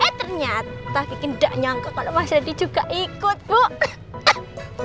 eh ternyata kiki nggak nyangka kalau mas randy juga ikut bu